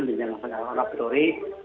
dengan saling mengorak orik